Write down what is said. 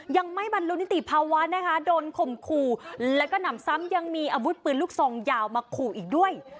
ยังไม่บรรลุนิติภาวะนะคะโดนข่มขู่แล้วก็หนำซ้ำยังมีอาวุธปืนลูกซองยาวมาขู่อีกด้วย